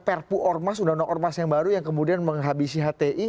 perpu ormas undang undang ormas yang baru yang kemudian menghabisi hti